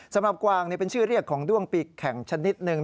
กวางเป็นชื่อเรียกของด้วงปีกแข่งชนิดหนึ่ง